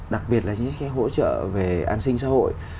đặc biệt là những cái hỗ trợ về an sinh xã hội